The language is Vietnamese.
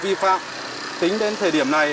vi phạm tính đến thời điểm này